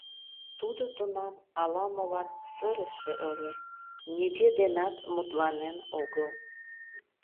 Тудо тунам ала-молан сырыше ыле, нигӧ денат мутланен огыл.